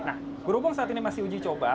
nah berhubung saat ini masih uji coba